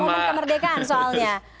momen kemerdekaan soalnya